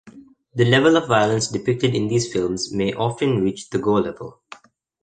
The level of violence depicted in these films may often reach the gore level.